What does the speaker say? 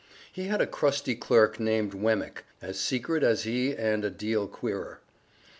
He had a crusty clerk named Wemmick, as secret as he and a deal queerer.